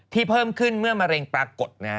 ที่เพิ่มขึ้นเมื่อมะเร็งปรากฏ